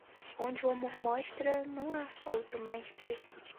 Onde o amor mostra, não há outro mestre.